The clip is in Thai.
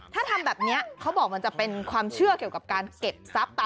ถ้าทำแบบนี้เขาบอกมันจะเป็นความเชื่อเกี่ยวกับการเก็บทรัพย์